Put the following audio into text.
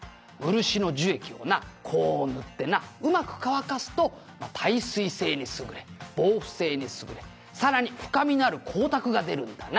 「漆の樹液をなこう塗ってなうまく乾かすとまあ耐水性に優れ防腐性に優れさらに深みのある光沢が出るんだな」